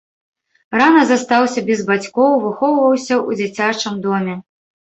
Рана застаўся без бацькоў, выхоўваўся ў дзіцячым доме.